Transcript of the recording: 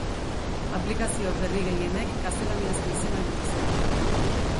Aplikazio berri gehienek gaztelaniazko izenak dituzte.